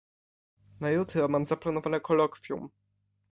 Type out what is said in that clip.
Na jutro mam zaplanowane kolokwium.